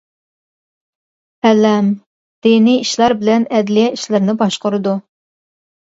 ئەلەم: دىنىي ئىشلار بىلەن ئەدلىيە ئىشلىرىنى باشقۇرىدۇ.